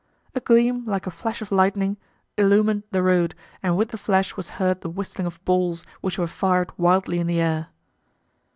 A gleam, like a flash of lightning, illumined the road, and with the flash was heard the whistling of balls, which were fired wildly in the air.